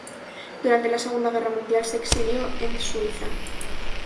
Durante la Segunda Guerra Mundial se exilió en Suiza.